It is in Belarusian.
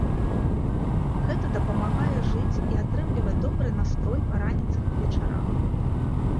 Гэта дапамагае жыць і атрымліваць добры настрой па раніцах і вечарах.